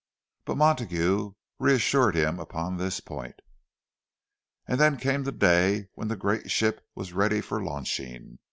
But Montague reassured him upon this point. And then came the day when the great ship was ready for launching.